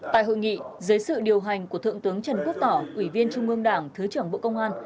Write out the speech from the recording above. tại hội nghị dưới sự điều hành của thượng tướng trần quốc tỏ ủy viên trung ương đảng thứ trưởng bộ công an